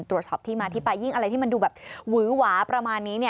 ตรวจสอบที่มาที่ไปยิ่งอะไรที่มันดูแบบหวือหวาประมาณนี้เนี่ย